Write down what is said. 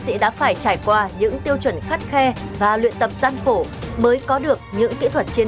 sĩ đã phải trải qua những tiêu chuẩn khắt khe và luyện tập gian khổ mới có được những kỹ thuật chiến